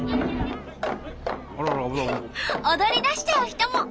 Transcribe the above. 踊りだしちゃう人も！